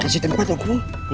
kasih tempat aku